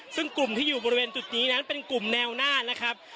ซึ่งกลุ่มที่อยู่บริเวณจุดนี้นั้นเป็นกลุ่มแนวหน้านะครับ